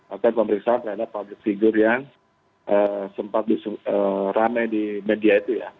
atau pemeriksaan terhadap public figure yang sempat rame di media itu ya